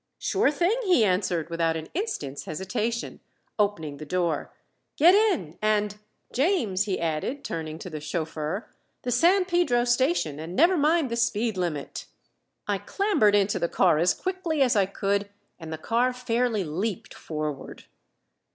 _" "Sure thing!" he answered without an instant's hesitation, opening the door. "Get in and, James," he added, turning to the chauffeur, "the San Pedro station, and never mind the speed limit." I clambered into the car as quickly as I could, and the car fairly leaped forward.